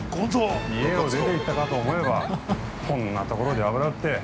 ◆家を出ていったかと思えば、こんなところで、油売って。